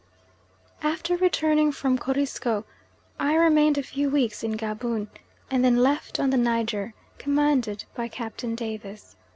After returning from Corisco I remained a few weeks in Gaboon, and then left on the Niger, commanded by Captain Davies.